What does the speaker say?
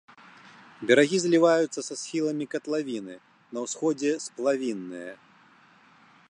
Берагі зліваюцца са схіламі катлавіны, на ўсходзе сплавінныя.